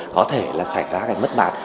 có thể là xảy ra cái mất mạng